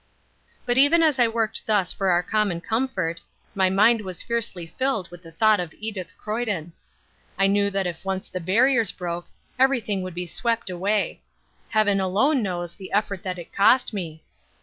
But even as I worked thus for our common comfort, my mind was fiercely filled with the thought of Edith Croyden. I knew that if once the barriers broke everything would be swept away. Heaven alone knows the effort that it cost me.